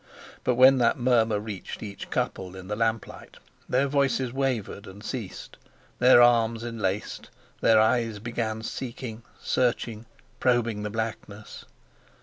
But when that murmur reached each couple in the lamp light their voices wavered, and ceased; their arms enlaced, their eyes began seeking, searching, probing the blackness.